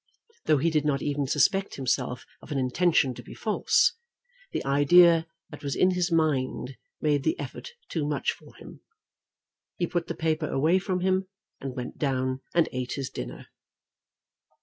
Though he did not even suspect himself of an intention to be false, the idea that was in his mind made the effort too much for him. He put the paper away from him and went down and eat his dinner.